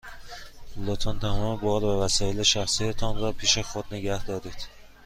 لطفاً تمام بار و وسایل شخصی تان را پیش خود نگه دارید.